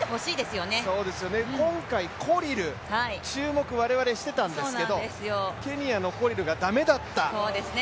今回コリル、注目、我々してたんですけど、ケニアのコリルが駄目だった。